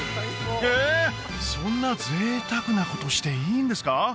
えそんな贅沢なことしていいんですか？